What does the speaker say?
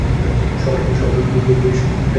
সবার রশিদ সাথে রাখবে।